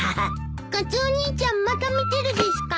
カツオ兄ちゃんまた見てるですか？